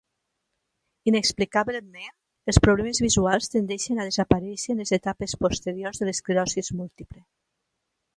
Inexplicablement, els problemes visuals tendeixen a desaparèixer en les etapes posteriors de l'esclerosi múltiple.